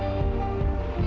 mau nih api dulu dong